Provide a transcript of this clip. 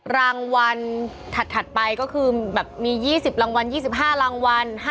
รางวัลถัดไปก็คือแบบมี๒๐รางวัล๒๕รางวัล